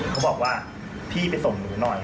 เขาบอกว่าพี่ไปส่งหนูหน่อย